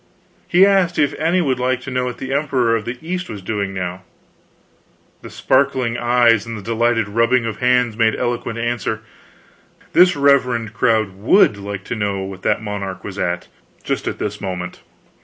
He asked if any would like to know what the Emperor of the East was doing now? The sparkling eyes and the delighted rubbing of hands made eloquent answer this reverend crowd would like to know what that monarch was at, just as this moment.